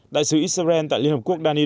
đại sứ israel tại liên hợp quốc đàn yên